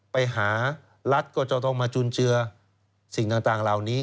ไปหารัฐก็จะต้องมาจุนเจือสิ่งต่างเหล่านี้